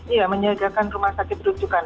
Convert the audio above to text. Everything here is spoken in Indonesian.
iya menyiagakan rumah sakit rujukan